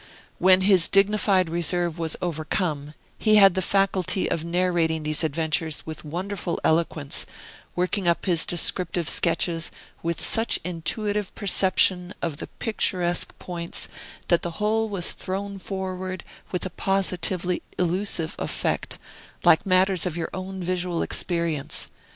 When his dignified reserve was overcome, he had the faculty of narrating these adventures with wonderful eloquence, working up his descriptive sketches with such intuitive perception of the picturesque points that the whole was thrown forward with a positively illusive effect, like matters of your own visual experience.